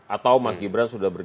atau mas gibran sudah berjalan